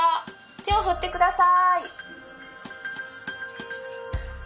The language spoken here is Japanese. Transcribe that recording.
手を振ってください。